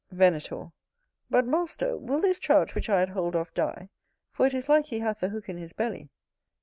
Venator. But, master, will this Trout which I had hold of die? for it is like he hath the hook in his belly.